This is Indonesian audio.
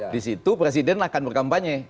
disitu presiden akan berkampanye